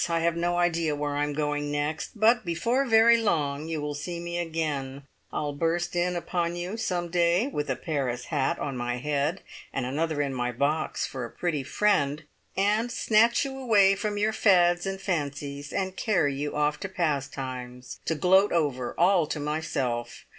I have no idea where I am going next, but before very long you will see me again. I'll burst in upon you some day, with a Paris hat on my head (and another in my box for a pretty friend!) and snatch you away from your fads and fancies, and carry you off to `Pastimes,' to gloat over, all to myself!